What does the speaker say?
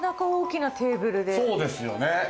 そうですよね。